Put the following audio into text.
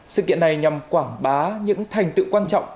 sự kiện này nhằm quảng bá những thành tựu quan trọng